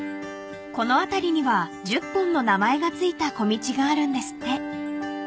［この辺りには１０本の名前が付いた小道があるんですって］